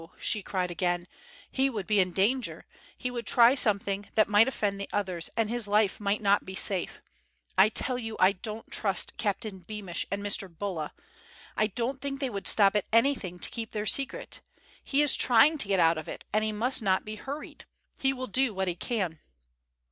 she cried again. "He would be in danger. He would try something that might offend the others, and his life might not be safe. I tell you I don't trust Captain Beamish and Mr. Bulla. I don't think they would stop at anything to keep their secret. He is trying to get out of it, and he must not be hurried. He will do what he can."